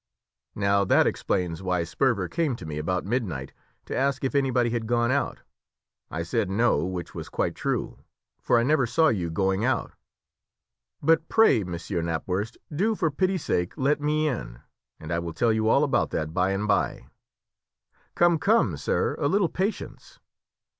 Now that explains why Sperver came to me about midnight to ask if anybody had gone out. I said no, which was quite true, for I never saw you going out." "But pray, Monsieur Knapwurst, do for pity's sake let me in, and I will tell you all about that by and by." "Come, come, sir, a little patience."